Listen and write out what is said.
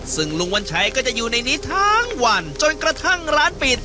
ซึ่งลุงวัญชัยก็จะอยู่ในนี้ทั้งวันจนกระทั่งร้านปิด